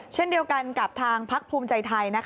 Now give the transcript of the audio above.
เช่นเดียวกันกับทางพักภูมิใจไทย